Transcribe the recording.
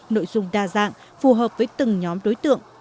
nội dung đa dạng phù hợp với từng nhóm đối tượng